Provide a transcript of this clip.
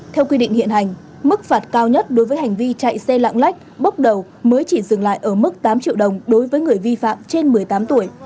theo quy định hiện hành mức phạt cao nhất đối với hành vi chạy xe lạng lách bốc đầu mới chỉ dừng lại ở mức tám triệu đồng đối với người vi phạm trên một mươi tám tuổi